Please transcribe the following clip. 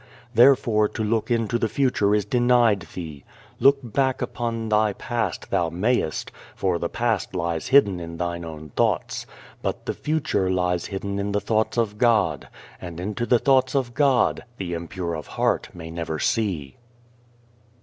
Therefore, to look into the future is denied thee. Look back upon thy past thou mayest, for the past lies hidden in thine own thoughts. But the future lies hidden in the thoughts of God, and, into the thoughts of God, the impure of heart may never see.